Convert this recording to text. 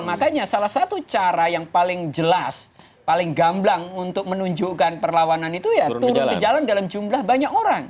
makanya salah satu cara yang paling jelas paling gamblang untuk menunjukkan perlawanan itu ya turun ke jalan dalam jumlah banyak orang